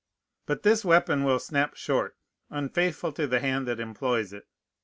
But this weapon will snap short, unfaithful to the hand that employs it.